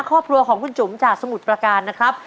ครอบครัวของคุณจุ๋มจากสมุทรประการนะครับ